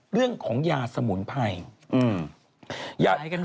เรื่องของยาสมุนไพร